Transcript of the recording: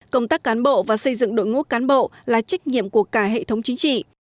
công tác cán bộ và xây dựng đội ngũ cán bộ là trách nhiệm của cả hệ thống chính trị